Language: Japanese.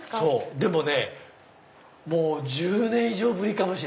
でもねもう１０年以上ぶりかもしれない。